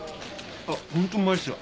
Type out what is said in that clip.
ホントうまいっすよ。